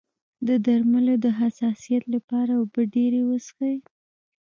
د درملو د حساسیت لپاره اوبه ډیرې وڅښئ